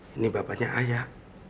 ini bapaknya ayah